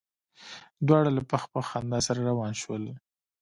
دواړه له پخ پخ خندا سره روان شول.